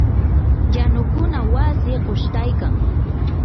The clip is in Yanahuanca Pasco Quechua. yanukuna wasi qushtaykan.